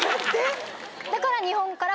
だから。